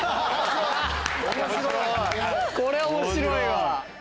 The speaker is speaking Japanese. これは面白いわ。